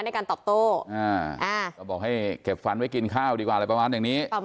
ในการตอบโต้ก็บอกให้เก็บฟันไว้กินข้าวดีกว่าอะไรประมาณอย่างนี้